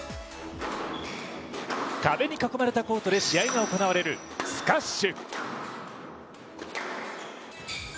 壁に囲まれたコートで試合が行われるスカッシュ。